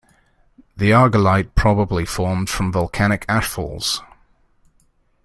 The argillite probably formed from volcanic ash falls.